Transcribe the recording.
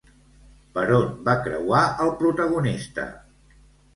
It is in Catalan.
Per on va creuar el protagonista?